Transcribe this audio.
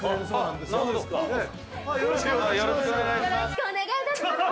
よろしくお願いします。